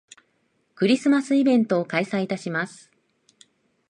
クリスマスイベントを開催いたします